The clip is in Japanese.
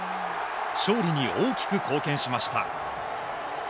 勝利に大きく貢献しました。